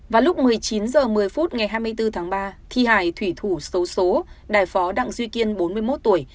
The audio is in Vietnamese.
vào lúc một mươi chín h một mươi phút ngày hai mươi bốn tháng ba thi hài thủy thủ xấu xố đài phó đặng duy kiên bốn mươi một tuổi